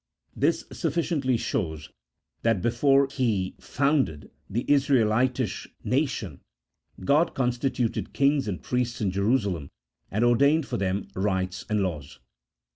This sufficiently shows that before He founded the Israelitish nation God constituted kings and priests in Jerusalem, and ordained for them rites and laws.